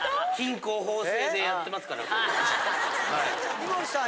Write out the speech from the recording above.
井森さん